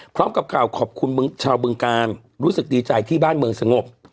พร้อมกับกล่าวขอบคุณชาวบึงการรู้สึกดีใจที่บ้านเมืองสงบ